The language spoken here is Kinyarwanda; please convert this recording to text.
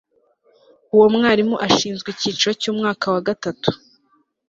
Uwo mwarimu ashinzwe icyiciro cyumwaka wa gatatu